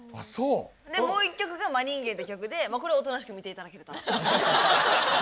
もう一曲が「マ人間」っていう曲でこれはおとなしく見ていただけると。